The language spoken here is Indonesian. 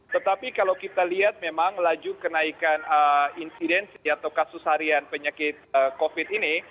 tetapi kalau kita lihat memang laju kenaikan insidensi atau kasus harian penyakit covid ini